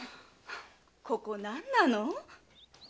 ここ何なの？